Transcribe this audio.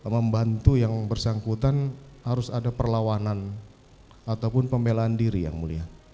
membantu yang bersangkutan harus ada perlawanan ataupun pembelaan diri yang mulia